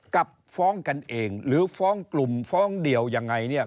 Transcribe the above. กับฟ้องกันเองหรือฟ้องกลุ่มฟ้องเดี่ยวยังไงเนี่ย